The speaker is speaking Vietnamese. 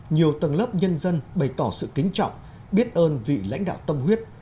nhiều tầng lớp nhân dân bày tỏ sự kính trọng biết ơn vị lãnh đạo tâm huyết